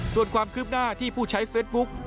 ส่วนความคืบหน้าที่ผู้ใช้เฟสบุ๊ก